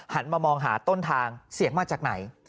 มามองหาต้นทางเสียงมาจากไหน